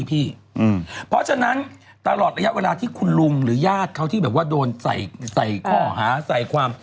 เพราะฉะนั้นตลอดระยะเวลาที่คุณลุงหรือญาติเขาที่แบบว่าโดนใส่ข้อหาใส่ความ